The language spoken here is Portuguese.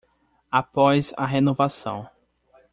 Após a renovação